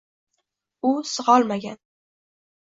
u sig’olmagan